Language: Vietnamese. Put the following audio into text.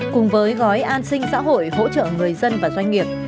cùng với gói an sinh xã hội hỗ trợ người dân và doanh nghiệp